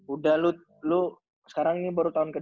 udah lu sekarang ini baru tahun ke dua